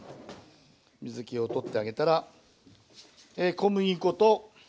水けを取ってあげたら小麦粉と卵ですね。